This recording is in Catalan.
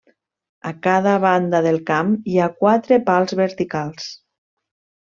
A cada banda del camp hi ha quatre pals verticals.